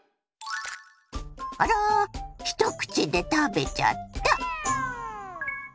あら一口で食べちゃった！